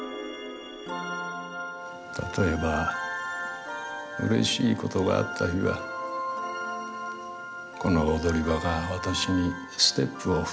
例えばうれしいことがあった日はこの踊り場が私にステップを踏ませてくれ。